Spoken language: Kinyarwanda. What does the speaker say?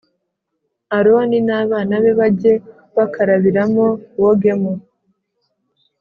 Aroni n abana be bajye bakarabiramo bogemo